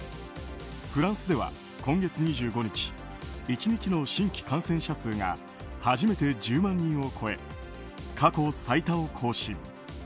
フランスでは今月２５日１日の新規感染者数が初めて１０万人を超え過去最多を更新。